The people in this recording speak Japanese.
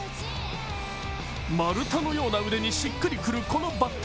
丸太のような腕にしっかり振るこのバット。